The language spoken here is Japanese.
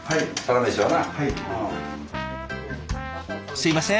すみません。